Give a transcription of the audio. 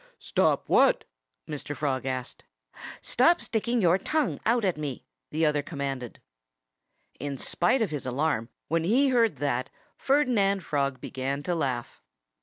"Stop what?" Mr. Frog asked. "Stop sticking your tongue out at me!" the other commanded. In spite of his alarm, when he heard that Ferdinand Frog began to laugh.